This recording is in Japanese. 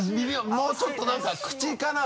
もうちょっとなんか口かな？